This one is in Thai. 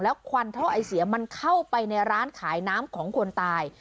ควันท่อไอเสียมันเข้าไปในร้านขายน้ำของคนตาย